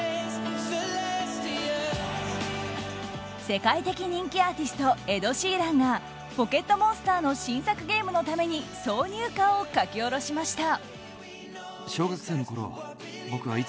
世界的人気アーティストエド・シーランが「ポケットモンスター」の新作ゲームのために挿入歌を書き下ろしました。